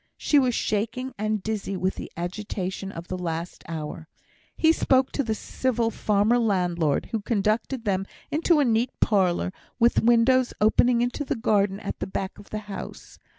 She was shaking and dizzy with the agitation of the last hour. He spoke to the civil farmer landlord, who conducted them into a neat parlour, with windows opening into the garden at the back of the house.